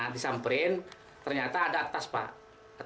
disamperin ternyata ada tas pak